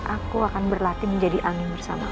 aku akan berlatih menjadi angin bersama